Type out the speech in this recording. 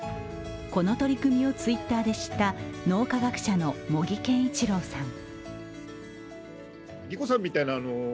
この取り組みをＴｗｉｔｔｅｒで知った、脳科学者の茂木健一郎さん。